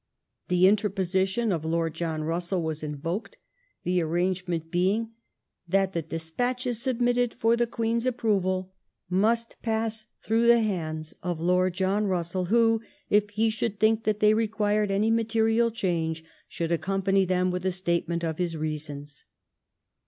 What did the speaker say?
The interposition of Lord John Bussell was invoked, the arrangement being that '* the despatches submitted for (the Queen's) approval must pass through the hands of Lord John Bussell, who, if he should think that they required any material change, should accompany them • with a statement of his reasons."